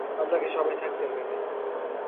আপনাকে সভায় থাকিতে হইবে।